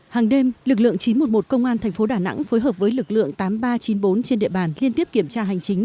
hàng đêm lực lượng chín trăm một mươi một công an tp đà nẵng phối hợp với lực lượng tám nghìn ba trăm chín mươi bốn trên địa bàn liên tiếp kiểm tra hành chính